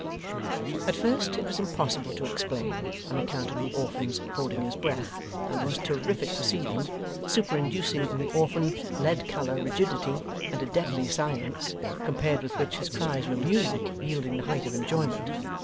At first, it was impossible to explain, on account of the orphan's 'holding his breath': a most terrific proceeding, super inducing in the orphan lead colour rigidity and a deadly silence, compared with which his cries were music yielding the height of enjoyment.